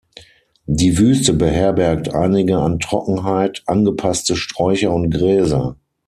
Die Wüste beherbergt einige an Trockenheit angepasste Sträucher und Gräser.